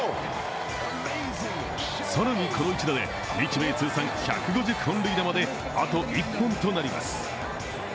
更に、この一打で日米通算１５０本塁打まであと１本となります。